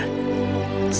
sampai jumpa temanku